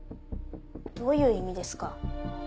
どういう意味ですか？